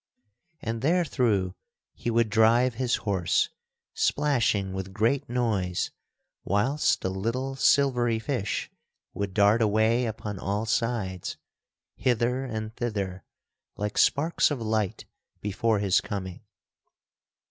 And therethrough he would drive his horse, splashing with great noise, whilst the little silvery fish would dart away upon all sides, hither and thither, like sparks of light before his coming.